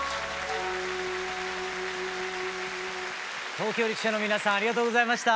東京力車の皆さんありがとうございました。